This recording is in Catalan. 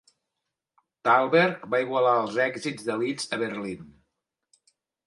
Thalberg va igualar els èxits de Liszt a Berlín.